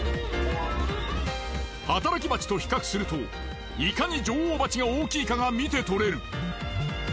働き蜂と比較するといかに女王蜂が大きいかが見てとれる。